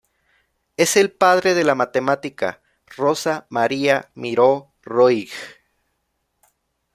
Es el padre de la matemática Rosa Maria Miró Roig.